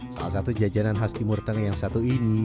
salah satu jajanan khas timur tengah yang satu ini